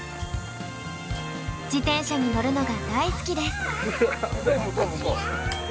自転車に乗るのが大好きです。